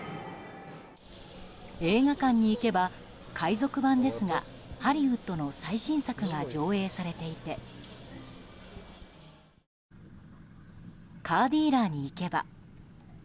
映画館に行けば海賊版ですがハリウッドの最新作が上映されていてカーディーラーに行けば。